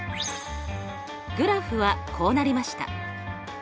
グラフはこうなりました。